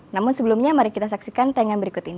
namun sebelumnya mari kita saksikan tayangan berikut ini